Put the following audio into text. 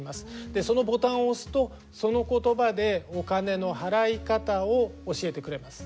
でそのボタンを押すとその言葉でお金の払い方を教えてくれます。